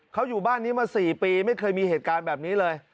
เขาอยู่บ้านนี้มา๔ปีไม่เคยมีเหตุการณ์แบบนี้เลย